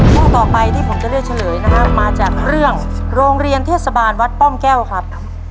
เมื่อต่อไปที่ผมจะเลือกเสริมมาจากเรื่องโรงเรียนเทศบาลวัตรป้อมแก้วครับ